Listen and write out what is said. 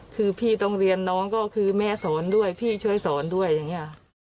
คือพี่ต้องเรียนน้องก็คือแม่สอนด้วยพี่ช่วยสอนด้วยอย่างนี้